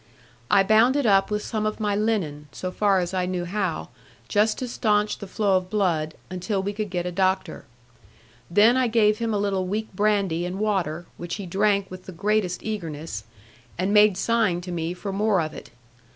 I bound it up with some of my linen, so far as I knew how; just to stanch the flow of blood, until we could get a doctor. Then I gave him a little weak brandy and water, which he drank with the greatest eagerness, and made sign to me for more of it.